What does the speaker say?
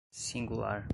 singular